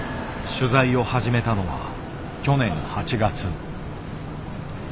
取材を始めたのは去年８月。